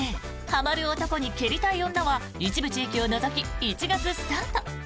「ハマる男に蹴りたい女」は一部地域を除き、１月スタート。